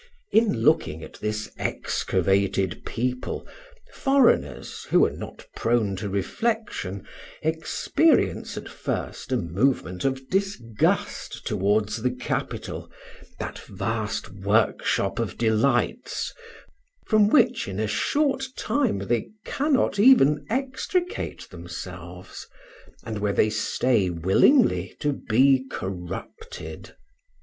In looking at this excavated people, foreigners, who are not prone to reflection, experience at first a movement of disgust towards the capital, that vast workshop of delights, from which, in a short time, they cannot even extricate themselves, and where they stay willingly to be corrupted.